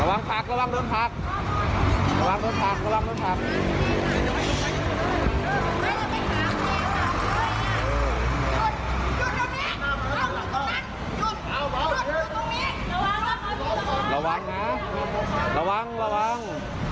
ระวังนะระวังระวังทักระวังรถทักระวังรถทักระวังรถทัก